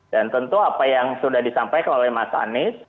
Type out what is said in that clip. dan tentu apa yang sudah disampaikan oleh mas anies